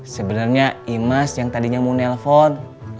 sebenarnya imaz yang tadinya mau telfon